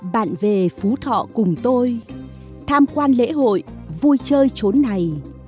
bạn về phú thọ cùng tôi tham quan lễ hội vui chơi trốn này